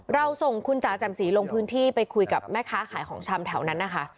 เราส่งคุณจ๋าแจ่มสีลงพื้นที่ไปคุยกับแม่ค้าขายของชำแถวนั้นนะคะ